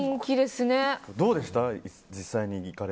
どうでした？